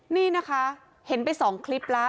นี่นะคะเห็นไปสองคลิปและ